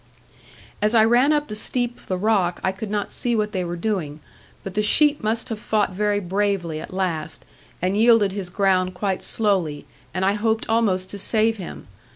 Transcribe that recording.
As I ran up the steep of the rock, I could not see what they were doing, but the sheep must have fought very bravely at last, and yielded his ground quite slowly, and I hoped almost to save him.